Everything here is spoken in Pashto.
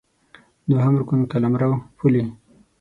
دوهم رکن قلمرو ، پولې